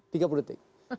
tunggu tiga puluh detik